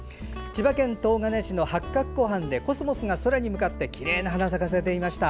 千葉県東金市の八鶴湖畔でコスモスが空に向かってきれいな花を咲かせていました。